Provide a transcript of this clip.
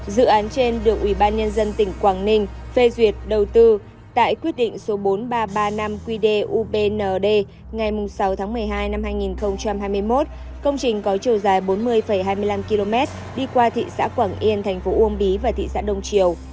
dự án trên được ubnd tỉnh quảng ninh phê duyệt đầu tư tại quyết định số bốn nghìn ba trăm ba mươi năm qdupnd ngày sáu tháng một mươi hai năm hai nghìn hai mươi một công trình có chiều dài bốn mươi hai mươi năm km đi qua thị xã quảng yên thành phố uông bí và thị xã đông triều